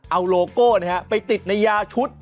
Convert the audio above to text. เอาโลโก้ไปติดในยาชุด